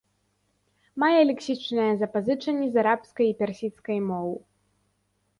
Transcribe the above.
Мае лексічныя запазычанні з арабскай і персідскай моў.